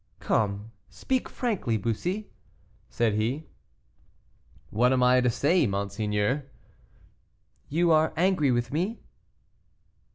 "Come, speak frankly, Bussy," said he. "What am I to say, monseigneur?" "You are angry with me?"